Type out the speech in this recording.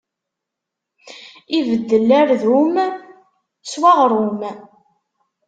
Ibeddel ardum s uɣrum.